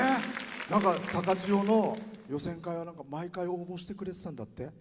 高千穂の予選会は、毎回応募してくれてたんだって？